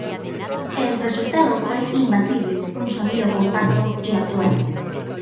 El resultado fue imbatible: un sonido compacto y actual.